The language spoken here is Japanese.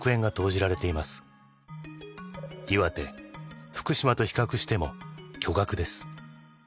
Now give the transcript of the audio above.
岩手福島と比較しても巨額です。